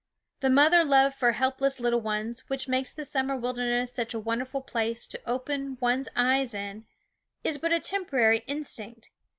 The mother love for helpless little ones, which makes the summer wilderness such a wonderful place to open one's eyes in, is but a temporary instinct.